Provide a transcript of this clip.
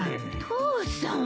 父さん。